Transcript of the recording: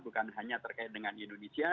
bukan hanya terkait dengan indonesia